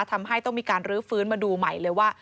ทำให้ต้องมีการรื้อฟื้นมาดูใหม่เลยว่า